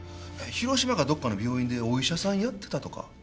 広島かどっかの病院でお医者さんやってたとか。